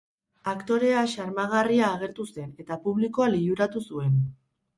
Aktorea xarmagarria agertu zen eta publikoa liluratu zuen.